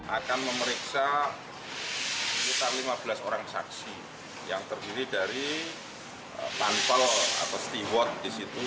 akan memeriksa sekitar lima belas orang saksi yang terdiri dari panpel atau steward di situ